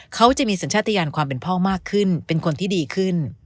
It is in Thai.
เขาจะมีสัญชาติยานความเป็นพ่อมากขึ้นเป็นคนที่ดีขึ้น